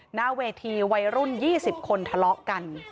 หน้าเวทีวัยรุ่น๒๐คนทะเลาะกัน